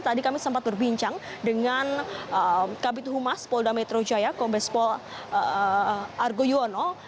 tadi kami sempat berbincang dengan kabit humas polda metro jaya kombespol argo yuwono